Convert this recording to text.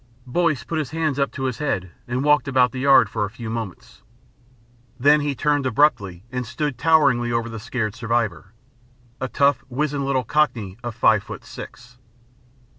Boyce put his hands up to his head and walked about the yard for a few moments. Then he turned abruptly and stood toweringly over the scared survivor a tough, wizened little Cockney of five foot six.